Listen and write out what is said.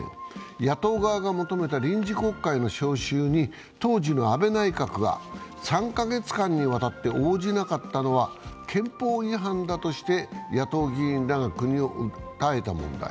野党側が求めた臨時国会の召集に当時の安倍内閣が３か月間にわたって応じなかったのは憲法違反だとして野党議員らが国を訴えた問題。